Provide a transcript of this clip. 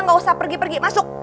nggak usah pergi pergi masuk